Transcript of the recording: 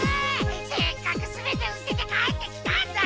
せっかくすべてをすてて帰ってきたんだから！